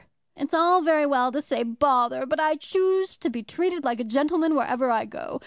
"It's all very well to say bother, but I choose to be treated like a gentleman wherever I go.